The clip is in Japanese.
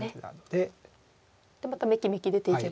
でまたメキメキ出ていけば。